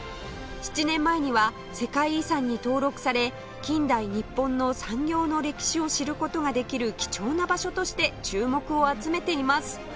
７年前には世界遺産に登録され近代日本の産業の歴史を知る事ができる貴重な場所として注目を集めています